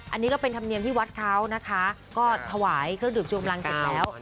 อันนี้ก็เป็นธรรมเนียมที่วัดเขานะคะก็ถวายเครื่องดื่มชูกำลังเสร็จแล้ว